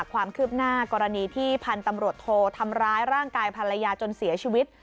ความคืบหน้ากรณีที่พันธุ์ตำรวจโททำร้ายร่างกายภรรยาจนเสียชีวิต